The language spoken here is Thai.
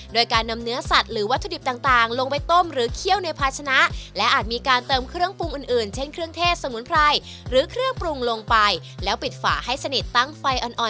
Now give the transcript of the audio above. โดยการนำเนื้อสัตว์หรือวัตถุดิบต่างลงไปต้มหรือเคี่ยวในภาชนะ